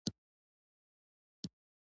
ایا ستاسو غږ به ثبت نه شي؟